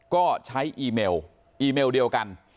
ก็ใช้อีเมลเดียวกัน